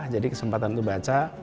jadi kesempatan tuh baca